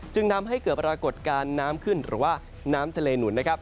จึงทำให้เกิดปรากฏการณ์น้ำขึ้นหรือว่าน้ำทะเลหนุนนะครับ